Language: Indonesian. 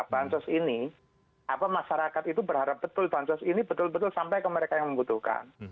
bansos ini masyarakat itu berharap betul bansos ini betul betul sampai ke mereka yang membutuhkan